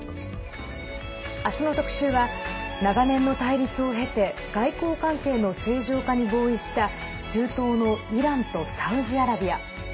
明日の特集は長年の対立を経て外交関係の正常化に合意した中東のイランとサウジアラビア。